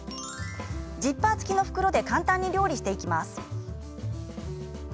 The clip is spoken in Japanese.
ジッパー付きの袋で簡単に料理していきます。